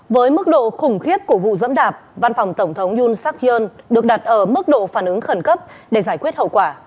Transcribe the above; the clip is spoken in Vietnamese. với mức độ khủng khiếp của vụ dẫm đạp văn phòng tổng thống yoon sakyong được đặt ở mức độ phản ứng khẩn cấp để giải quyết hậu quả